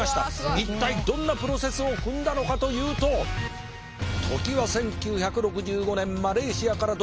一体どんなプロセスを踏んだのかというと時は１９６５年マレーシアから独立したシンガポール。